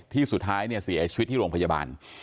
สุดท้ายเนี่ยเสียชีวิตที่โรงพยาบาล